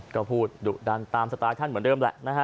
ก็พูดดุดันตามศัตรูท่านเหมือนเดิมแหละ